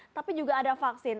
tapi juga ada vaksin